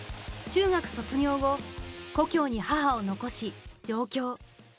中学卒業後故郷に母を残し上京。